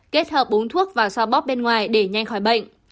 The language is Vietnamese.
kết hợp uống thuốc và xoa bóp bên ngoài để nhanh khỏi bệnh